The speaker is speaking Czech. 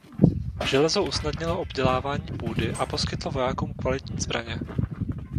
Železo usnadnilo obdělávání půdy a poskytlo vojákům kvalitní zbraně.